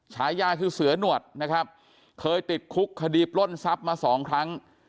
ฉายาคือเสือหนวดนะครับเคยติดคุกคดีปล้นทรัพย์มาสองครั้ง